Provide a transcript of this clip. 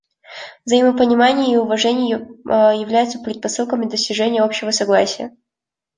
Взаимопонимание и уважение являются предпосылками достижения общего согласия.